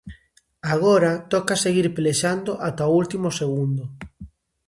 Agora, toca seguir pelexando ata o último segundo!